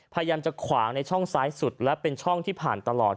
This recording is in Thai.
พยายามจะขวางในช่องซ้ายสุดและเป็นช่องที่ผ่านตลอด